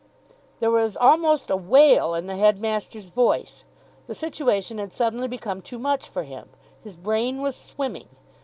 There was almost a wail in the headmaster's voice. The situation had suddenly become too much for him. His brain was swimming.